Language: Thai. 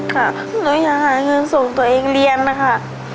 หนูอยากหาเงินส่งตัวเองเรียนนะคะ